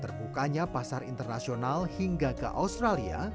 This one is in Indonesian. terbukanya pasar internasional hingga ke australia